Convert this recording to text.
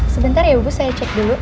sebentar ya ibu saya cek dulu